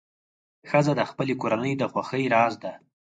ښځه د خپلې کورنۍ د خوښۍ راز ده.